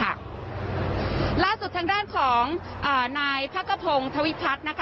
ล่าสุดทางด้านของนายพักกระพงศวิพัฒน์นะคะ